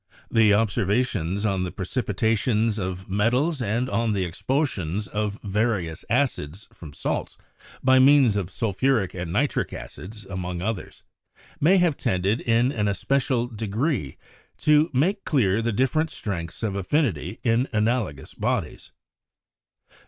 The observations on the pre cipitation of metals and on the expulsion of various acids from salts by means of sulphuric and nitric acids, among others, may have tended in an especial degree to make clear the different strengths of affinity in analogous bodies.